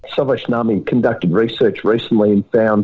salvation army mengadakan penelitian yang baru